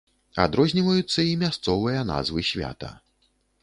Адрозніваюцца і мясцовыя назвы свята.